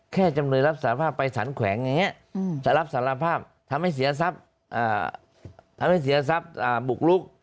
แค่จำนวนรับสารภาพไปสารแขวงอย่างนี้จะรับสารภาพทำให้เสียทรัพย์บุกลุก